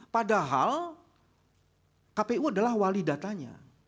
padahal kpu adalah wali datanya